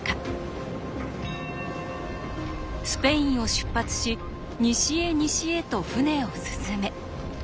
スペインを出発し西へ西へと船を進め。